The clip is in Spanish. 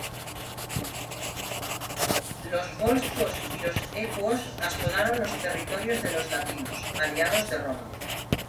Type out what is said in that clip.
Los volscos y los ecuos asolaron los territorios de los latinos, aliados de Roma.